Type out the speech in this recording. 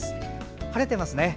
晴れてますね。